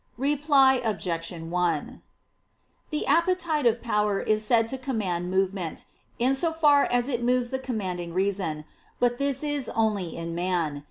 Reply Obj. 1: The appetitive power is said to command movement, in so far as it moves the commanding reason. But this is only in man.